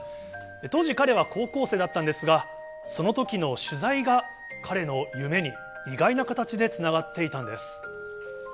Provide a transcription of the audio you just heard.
当時、彼は高校生だったんですが、そのときの取材が、彼の夢に意外な形でつながっていたんです。